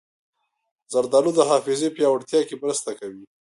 زردالو د حافظې پیاوړتیا کې مرسته کوي.